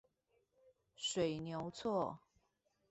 水牛厝